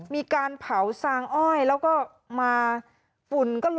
มีการเผาซางอ้อยแล้วก็มาฝุ่นก็